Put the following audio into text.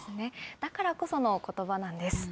だからこそのことばなんです。